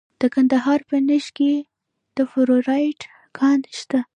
د کندهار په نیش کې د فلورایټ کان شته.